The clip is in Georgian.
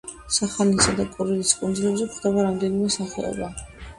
სახალინსა და კურილის კუნძულებზე გვხვდება რამდენიმე სახეობა.